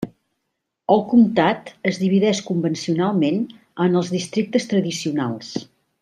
El comtat es divideix convencionalment en els districtes tradicionals.